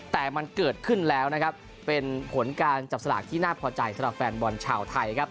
แต่มันเกิดขึ้นแล้วนะครับเป็นผลการจับสลากที่น่าพอใจสำหรับแฟนบอลชาวไทยครับ